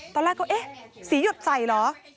ตอนแรกก็เอ๊ะสีหยดใส่เหรอ